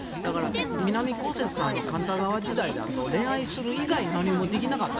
南こうせつさんの「神田川」時代だと恋愛する以外何もできなかった。